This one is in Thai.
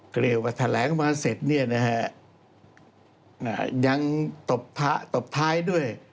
ก็เรียกว่าแถลงมาเสร็จเนี่ยนะฮะยังตบพระตบท้ายด้วย